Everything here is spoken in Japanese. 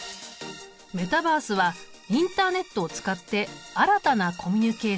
メタバースはインターネットを使って新たなコミュニケーションを体験できる。